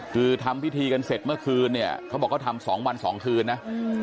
คือทำพิธีกันเสร็จเมื่อคืนเนี่ยเขาบอกเขาทำ๒วัน๒คืนนะ